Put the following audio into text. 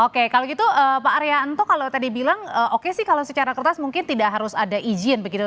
oke kalau gitu pak aryanto kalau tadi bilang oke sih kalau secara kertas mungkin tidak harus ada izin begitu